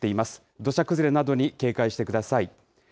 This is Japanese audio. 土砂崩れなどに警戒してください。